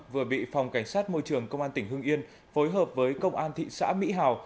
vừa bị phòng cảnh sát môi trường công an tỉnh hương yên phối hợp với công an thị xã mỹ hào